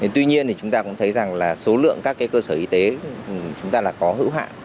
tuy nhiên chúng ta cũng thấy rằng số lượng các cơ sở y tế chúng ta có hữu hạn